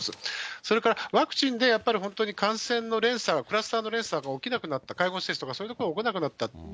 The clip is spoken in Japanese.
それから、ワクチンでやっぱり本当に、感染の連鎖、クラスターの連鎖が起きなくなった、介護施設とか、そういうことが起こらなくなった。